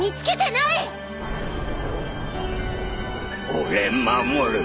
俺守る！